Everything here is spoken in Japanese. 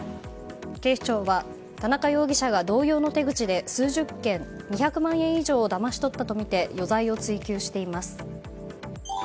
警視庁は、田中容疑者が同様の手口で数十件、２００万円以上をだまし取ったとみて余罪を追及しています。